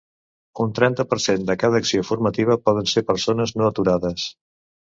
Un trenta per cent de cada acció formativa poden ser persones no aturades.